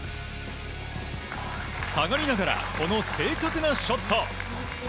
下がりながら正確なショット！